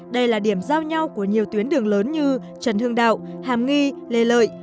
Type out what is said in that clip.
đây là điểm giao nhau của nhiều tuyến đường lớn như trần hưng đạo hàm nghi lê lợi